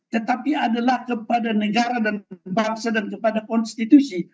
tetapi adalah kepada negara dan bangsa dan kepada konstitusi